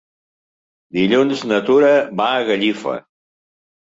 Dilluns na Tura va a Gallifa.